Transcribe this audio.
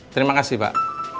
terima kasih pak